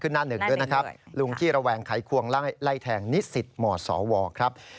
หน้าหนึ่งด้วยนะครับลุงขี้ระแวงไขควงไล่แทงนิสิตหมสวครับ